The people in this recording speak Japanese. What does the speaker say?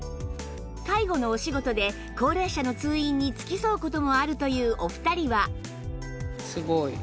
介護のお仕事で高齢者の通院に付き添う事もあるというお二人は